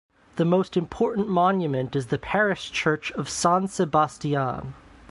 The most important monument is the parish church of San Sebastián.